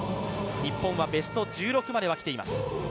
日本はベスト１６までは来ています。